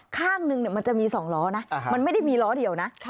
ข้างนึงมันจะมี๒ล้อนะมันไม่ได้มีล้อเดียวนะ